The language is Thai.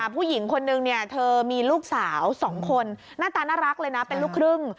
ผู้หญิงคนนึงเธอมีลูกสาว๒คนหน้าตาน่ารักเลยนะเป็นลูกครึ่ง